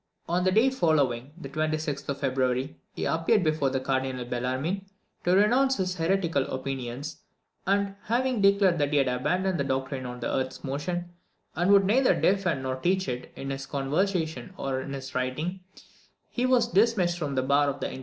On the day following, the 26th of February, he appeared before Cardinal Bellarmine, to renounce his heretical opinions; and, having declared that he abandoned the doctrine of the earth's motion, and would neither defend nor teach it, in his conversation or in his writings, he was dismissed from the bar of the inquisition.